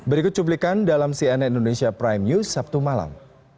berikut cuplikan dalam cnn indonesia prime news sabtu malam